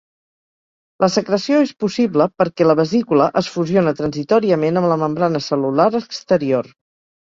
La secreció és possible perquè la vesícula es fusiona transitòriament amb la membrana cel·lular exterior.